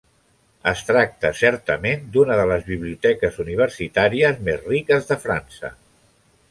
Es tracta, certament, d'una de les biblioteques universitàries més riques de França.